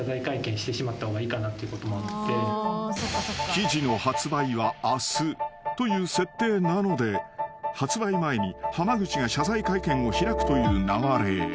［記事の発売は明日という設定なので発売前に濱口が謝罪会見を開くという流れへ］